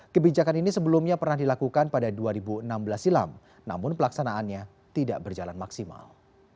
kebijakan ini sebelumnya pernah dilakukan pada dua ribu enam belas silam namun pelaksanaannya tidak berjalan maksimal